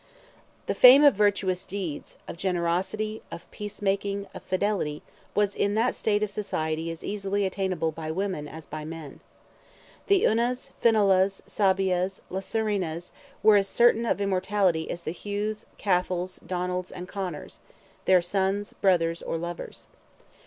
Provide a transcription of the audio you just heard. The fame of virtuous deeds, of generosity, of peace making, of fidelity, was in that state of society as easily attainable by women as by men. The Unas, Finolas, Sabias, Lasarinas, were as certain of immortality as the Hughs, Cathals, Donalds and Conors, their sons, brothers, or lovers.